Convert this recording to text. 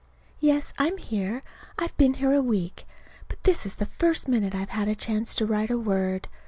Yes, I'm here. I've been here a week. But this is the first minute I've had a chance to write a word.